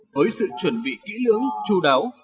với sự chuẩn bị kỹ lưỡng chu đáo